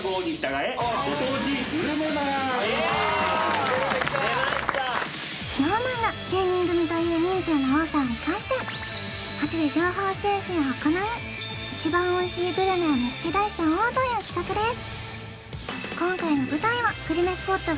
グルメきた出ましたＳｎｏｗＭａｎが９人組という人数の多さを生かして街で情報収集を行い一番おいしいグルメを見つけ出しちゃおうという企画です